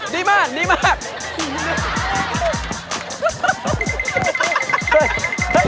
ดีดิดีมาก